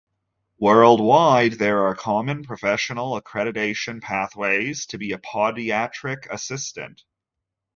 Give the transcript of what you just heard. Worldwide there are common professional accreditation pathways to be a podiatric assistant.